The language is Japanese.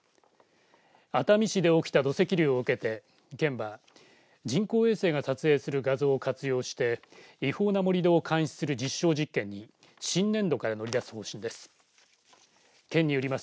熱海市で起きた土石流を受けて県は人工衛星が撮影する画像を活用して違法な盛り土を監視する実証実験に新年度から乗り出す方針です。